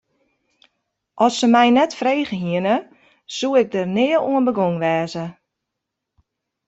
As se my net frege hiene, soe ik der nea oan begûn wêze.